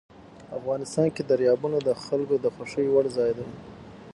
افغانستان کې دریابونه د خلکو د خوښې وړ ځای دی.